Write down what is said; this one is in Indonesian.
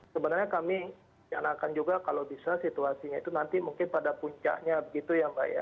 sebenarnya kami nyanakan juga kalau bisa situasinya itu nanti mungkin pada puncaknya begitu ya mbak ya